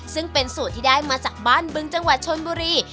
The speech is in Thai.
ซึ่งเป็นสูตรที่ได้มาจากบ้านบึงจังหวัดชนบุรี